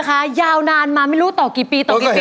ให้เขานะคะยาวนานมาไม่รู้ต่อกี่ปีต่อกี่ปี